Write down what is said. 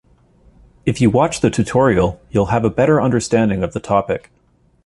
If you watch the tutorial you'll have a better understanding of the topic.